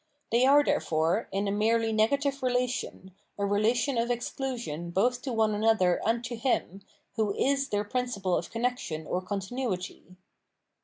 They are, therefore, in a merely negative relation, a relation of exclusion both to one another and to him, who is their principle of connection or continuity.